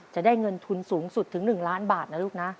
จะได้เงินทุนสูงสุดถึง๑ล้านบาทนะลูกนะ